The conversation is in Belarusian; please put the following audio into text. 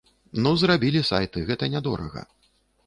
Ну зрабілі сайты, гэта не дорага.